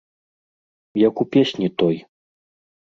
Як у песні той.